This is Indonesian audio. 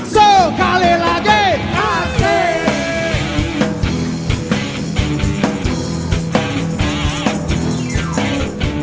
sekali lagi asik